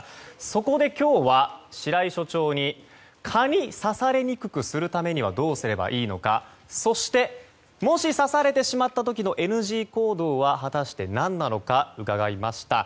そこで、今日は白井所長に蚊に刺されにくくするためにはどうすればいいのかそしてもし刺されてしまった時のＮＧ行動は果たして何なのか伺いました。